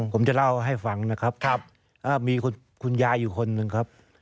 ผมจะเล่าให้ฟังนะครับมีคุณยายอยู่คนหนึ่งครับ